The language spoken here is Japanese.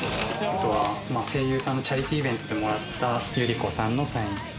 あとは声優さんのチャリティーイベントでもらった由里子さんのサイン